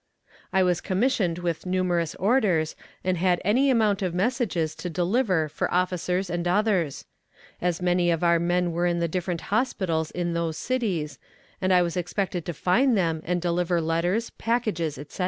I was commissioned with numerous orders and had any amount of messages to deliver for officers and others; as many of our men were in the different hospitals in those cities, and I was expected to find them and deliver letters, packages, etc.